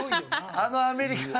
あのアメリカン